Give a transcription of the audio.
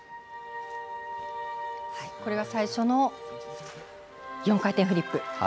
最初の４回転フリップ。